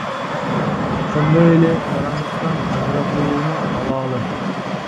Ошондой эле жарандыктан ажыратууну алалы.